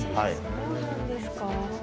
そうなんですか。